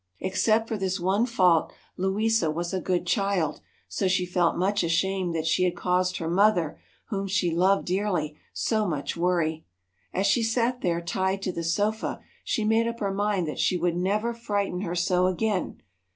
Except for this one fault, Louisa was a good child, so she felt much ashamed that she had caused her mother, whom she loved dearly, so much worry. As she sat there, tied to the sofa, she made up her mind that she would never frighten her so again.